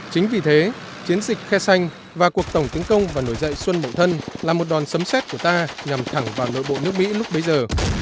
chính vì thế chiến dịch khai xanh và cuộc tổng tấn công và nổi dậy xuân bộ thân là một đòn sấm xét của ta nhằm thẳng vào nội bộ nước mỹ lúc bây giờ